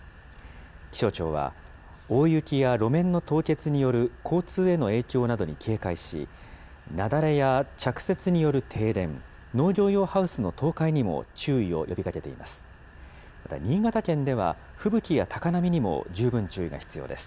気象庁は、大雪や路面の凍結による交通への影響などに警戒し、雪崩や着雪による停電、農業用ハウスの倒壊にも注意を呼びかけています。